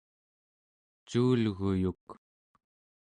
cuulguyuk